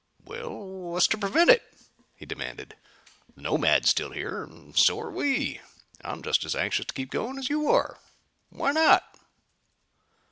"Well, what's to prevent it?" he demanded. "The Nomad's still here, and so are we. I'm just as anxious to keep going as you are. Why not?"